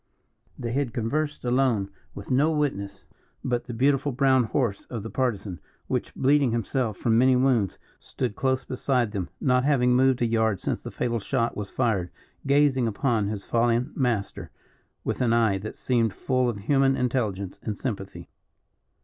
They had conversed alone, with no witness but the beautiful brown horse of the Partisan, which, bleeding himself, from many wounds, stood close beside them, not having moved a yard since the fatal shot was fired, gazing upon his fallen master with an eye that seemed full of human intelligence and sympathy.